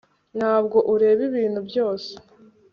ntabwo ureba ibintu byose